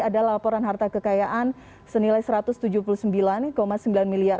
ada laporan harta kekayaan senilai rp satu ratus tujuh puluh sembilan sembilan miliar